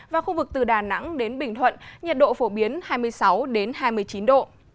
và khu vực từ đà nẵng đến bình thuận nhiệt độ phổ biến hai mươi sáu hai mươi chín độ